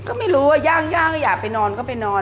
ก็ไม่รู้ว่าย่างอยากไปนอนก็ไปนอน